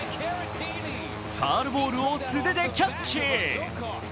ファウルボールを素手でキャッチ。